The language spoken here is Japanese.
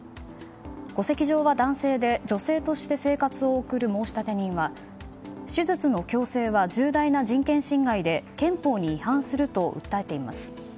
戸籍上は男性で女性として生活を送る申立人は手術の強制は重大な人権侵害で憲法に違反すると訴えています。